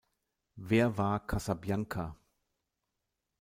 Wer war Casabianca?